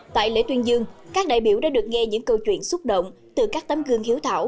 tại lễ tuyên dương các đại biểu đã được nghe những câu chuyện xúc động từ các tấm gương hiếu thảo